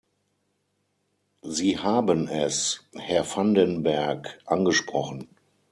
Sie haben es, Herr van den Berg, angesprochen.